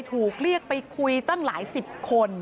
ถูกเรียกไปคุยตั้งหลายสิบคน